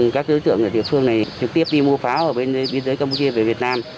các đối tượng ở địa phương này trực tiếp đi mua pháo ở bên biên giới campuchia về việt nam